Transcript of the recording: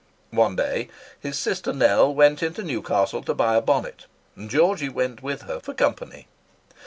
One day his sister Nell went into Newcastle to buy a bonnet; and Geordie went with her "for company."